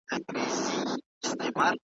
د ایوب تر لوند ګرېوانه ,